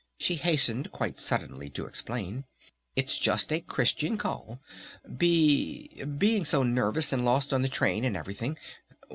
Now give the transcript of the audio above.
she hastened quite suddenly to explain. "It's just a Christian call!... B Being so nervous and lost on the train and everything